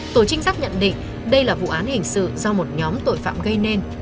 tổ trinh sát nhận định đây là vụ án hình sự do một nhóm tội phạm gây nên